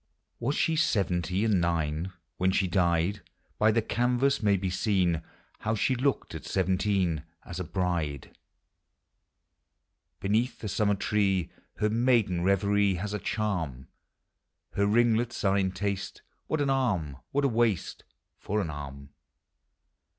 Was she seveuty and nine When she died? l$y the canvas may be seen How she looked at seventeen, As a bride. Digitized by Google YOUTH. Beneath a summer tree, Her ma idea reverie lias a charm ; Her ringlets are in taste; What an arm! ... what a waist For an arm